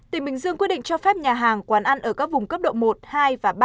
tỉnh bình dương quyết định cho phép nhà hàng quán ăn ở các vùng cấp độ một hai và ba